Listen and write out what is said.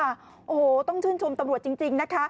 โอ้โหต้องชื่นชมตำรวจจริงนะคะ